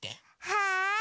はい！